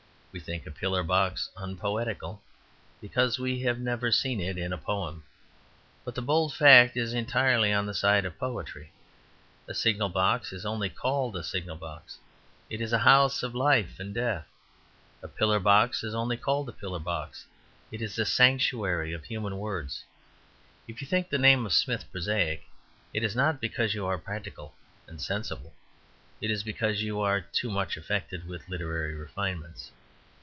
We think a pillar box unpoetical, because we have never seen it in a poem. But the bold fact is entirely on the side of poetry. A signal box is only called a signal box; it is a house of life and death. A pillar box is only called a pillar box; it is a sanctuary of human words. If you think the name of "Smith" prosaic, it is not because you are practical and sensible; it is because you are too much affected with literary refinements.